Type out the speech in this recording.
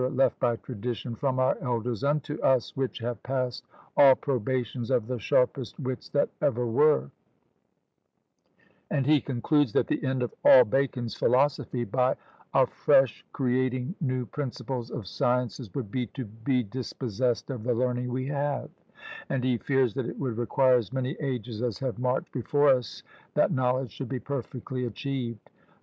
left by tradition from our elders unto us, which have passed all probations of the sharpest wits that ever were;" and he concludes that the end of all Bacon's philosophy, by "a fresh creating new principles of sciences, would be to be dispossessed of the learning we have;" and he fears that it would require as many ages as have marched before us that knowledge should be perfectly achieved.